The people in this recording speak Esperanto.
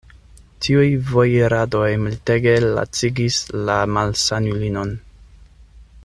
Tiuj vojiradoj multege lacigis la malsanulinon.